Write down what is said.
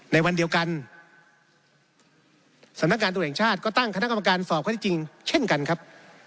ในวันเดียวกันสำนักงานตรวจแห่งชาติก็ตั้งคณะกรรมการสอบข้อที่จริงเช่นกันครับ